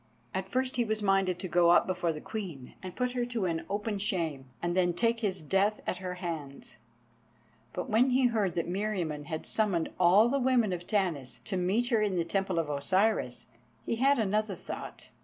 At first he was minded to go up before the Queen and put her to an open shame, and then take his death at her hands; but when he heard that Meriamun had summoned all the women of Tanis to meet her in the Temple of Osiris, he had another thought.